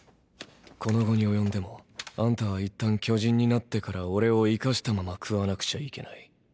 この期に及んでもあんたは一旦巨人になってからオレを生かしたまま食わなくちゃいけない。